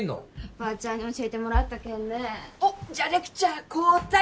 ばーちゃんに教えてもらったけんねおっじゃレクチャー交代